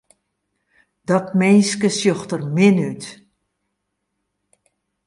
Dat minske sjocht der min út.